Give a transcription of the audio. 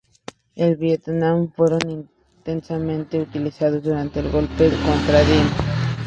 En Vietnam fueron intensamente utilizados durante el golpe contra Diem.